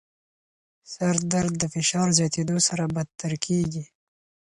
سردرد د فشار زیاتېدو سره بدتر کېږي.